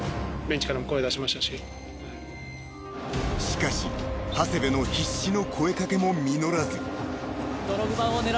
［しかし長谷部の必死の声掛けも実らず］